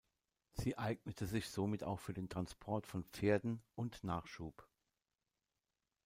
Sie eignete sich somit auch für den Transport von Pferden und Nachschub.